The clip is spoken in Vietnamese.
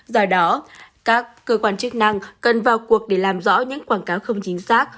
do đó các cơ quan chức năng cần vào cuộc để làm rõ những quảng cáo không chính xác